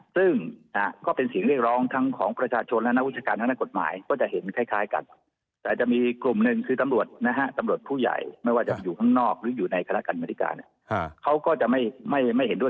ซึ่งก็เป็นสิ่งเรียกร้องทั้งของประชาชนและนักวิจการและนักกฎหมาย